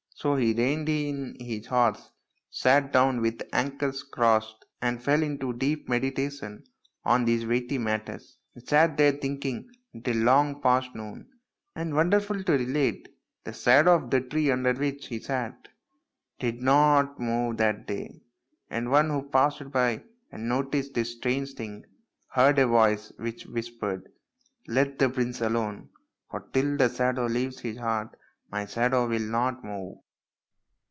So he reined in his horse, sat down with ankles crossed, and fell into deep meditation on these weighty matters. He sat there thinking until long past noon, and, wonderful to relate, the shadow of the tree under which he sat did not move that day, and one who passed by and noticed this strange thing heard a voice, which whispered, " Let the prince alone, for till the shadow leaves his heart my shadow will not move."